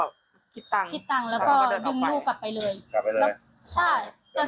คิดตังค์แล้วก็ดึงลูกกลับไปเลย